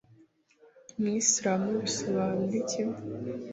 “umwisilamu” bisobanura iki?